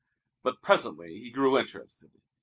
But presently he grew interested.